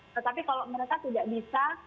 tetapi kalau mereka tidak bisa